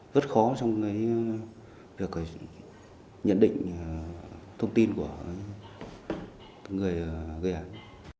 rất khó trong cái việc nhận định thông tin của người gây ảnh